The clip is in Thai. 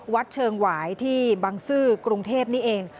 วัดเชิงหวายที่บังซื้อกรุงเทพนี่เอง